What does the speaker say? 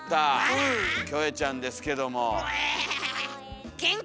キョエちゃんですけども。